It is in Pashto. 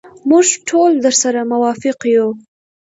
موږ ټول درسره موافق یو.